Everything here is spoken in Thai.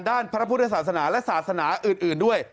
พระพุทธศาสนาและศาสนาอื่นด้วย